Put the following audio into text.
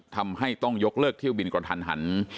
ทำให้ต้องยกเลิกเที่ยวบินกระทันหัน